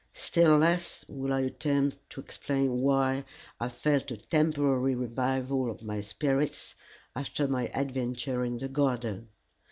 Still less will I attempt to explain why I felt a temporary revival of my spirits after my adventure in the garden.